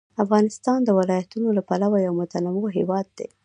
افغانستان د ولایتونو له پلوه یو متنوع هېواد دی.